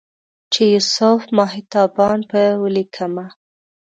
چې یوسف ماه تابان په ولیکمه